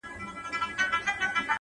د گل خندا ـ